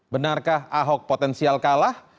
benarkah ahok potensial kalah